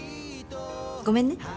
ごめんね。